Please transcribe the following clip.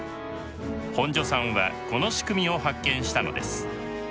本庶さんはこの仕組みを発見したのです。